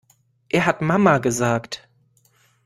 Er hat Mama gesagt!